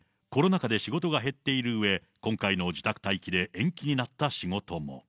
コロナ禍で仕事が減っているうえ、今回の自宅待機で延期になった仕事も。